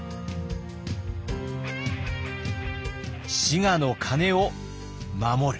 滋賀の鐘を守る。